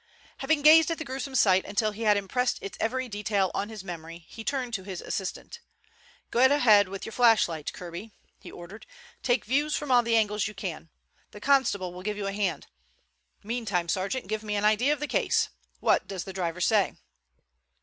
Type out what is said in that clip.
Having gazed at the gruesome sight until he had impressed its every detail on his memory, he turned to his assistant. "Get ahead with your flashlight, Kirby," he ordered. "Take views from all the angles you can. The constable will give you a hand. Meantime, sergeant, give me an idea of the case. What does the driver say?"